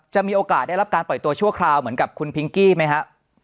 มีโอกาสได้รับการปล่อยตัวชั่วคราวเหมือนกับคุณพิงกี้ไหมฮะ